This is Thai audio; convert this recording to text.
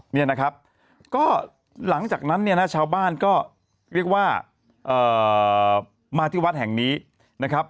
เนี่ยนะครับก็หลังจากนั้นเนี่ยนะชาวบ้านก็เรียกว่ามาที่วัดแห่งนี้นะครับ